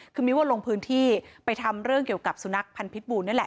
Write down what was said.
คือมิ้วลงพื้นที่ไปทำเรื่องเกี่ยวกับสุนัขพันธ์พิษบูรนี่แหละ